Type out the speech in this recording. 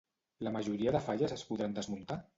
La majoria de falles es podran desmuntar?